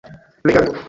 legado